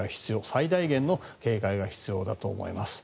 最大限の警戒が必要だと思います。